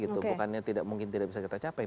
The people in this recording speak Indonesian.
bukannya tidak mungkin tidak bisa kita capai